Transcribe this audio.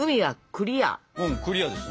クリアですね。